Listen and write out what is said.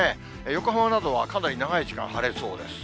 横浜などはかなり長い時間晴れそうです。